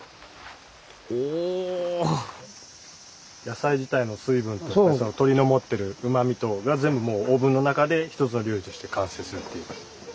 野菜自体の水分と鶏の持ってるうまみとが全部もうオーブンの中で１つの料理として完成するという。